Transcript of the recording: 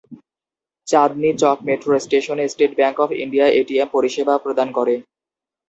চাঁদনী Chowk metro স্টেশনে State Bank of India ATM পরিষেবা প্রদান করে।